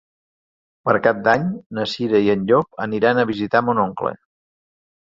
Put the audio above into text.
Per Cap d'Any na Cira i en Llop aniran a visitar mon oncle.